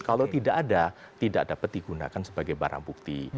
kalau tidak ada tidak dapat digunakan sebagai barang bukti